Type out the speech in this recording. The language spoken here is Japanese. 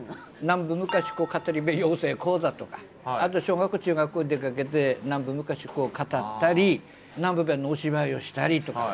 南部昔コ語り部養成講座とかあと小学校中学校出かけて南部昔コを語ったり南部弁のお芝居をしたりとか。